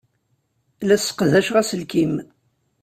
La sseqdaceɣ aselkim.